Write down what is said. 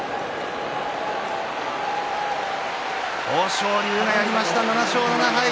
豊昇龍がやりました、７勝７敗。